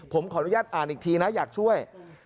ผมขออนุญาตอ่านอีกทีนะอยากช่วย